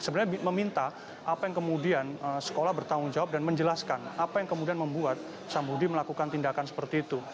dan sehingga dia sebenarnya meminta apa yang kemudian sekolah bertanggung jawab dan menjelaskan apa yang kemudian membuat samhudi melakukan tindakan seperti itu